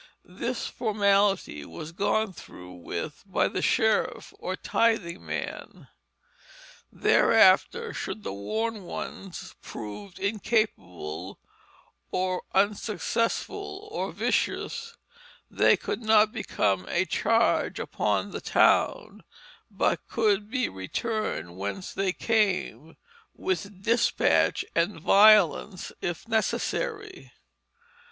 This formality was gone through with by the sheriff or tithing man. Thereafter should the warned ones prove incapable or unsuccessful or vicious, they could not become a charge upon the town, but could be returned whence they came with despatch and violence if necessary.